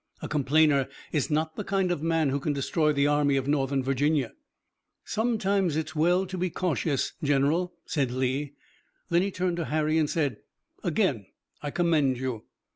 A complainer is not the kind of man who can destroy the Army of Northern Virginia." "Sometimes it's well to be cautious, General," said Lee. Then he turned to Harry and said: "Again I commend you."